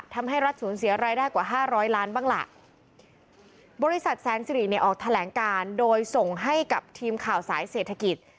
ทำให้รัฐสูญเสียรายได้กว่าห้าร้อยล้านบ้างล่ะบริษัทแสนสิริเนี่ยออกแถลงการโดยส่งให้กับทีมข่าวสายเศรษฐกิจ